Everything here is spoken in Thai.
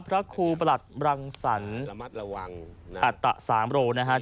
พระครูประหลัดรังสรรอัตสามโรนะครับ